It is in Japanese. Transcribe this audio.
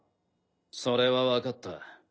それはわかった。